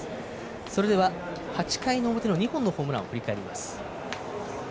それでは８回の表の２本のホームランを振り返ります。